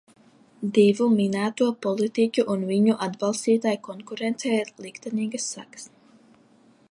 Divu minēto politiķu un viņu atbalstītāju konkurencei ir liktenīgas sekas.